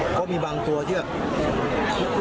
ก็มีบางตัวที่จะ